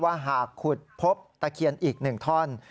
ว่าหากขุดพบตะเคียนอีกหนึ่งท่อน